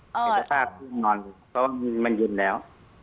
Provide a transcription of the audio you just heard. เพราะว่ามันยืนแล้ว